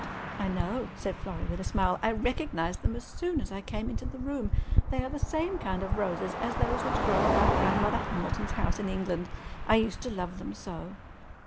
"I know," said Florrie, with a smile. "I recognized them as soon as I came into the room. They are the same kind of roses as those which grow about Grandmother Hamilton's house in England. I used to love them so."